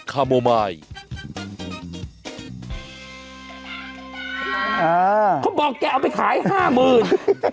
เขาบอกแกเอาไปขายห้าหมื่น